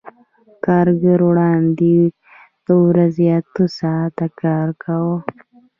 کارګر وړاندې د ورځې اته ساعته کار کاوه